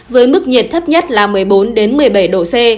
với mức nhiệt thấp nhất là một mươi bốn một mươi bảy độ c